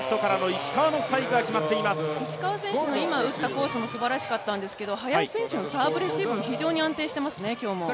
石川選手の今打ったコースもすばらしかったんですが林選手のサーブレシーブも非常に安定してますね、今日も。